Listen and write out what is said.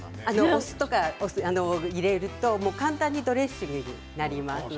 お酢とか入れると簡単にドレッシングになります。